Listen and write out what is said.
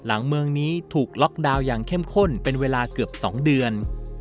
เมืองนี้ถูกล็อกดาวน์อย่างเข้มข้นเป็นเวลาเกือบ๒เดือน